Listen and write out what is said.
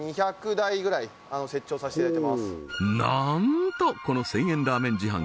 なんとこの千円ラーメン自販機